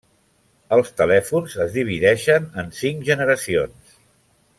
Els telèfons es divideixen en cinc generacions.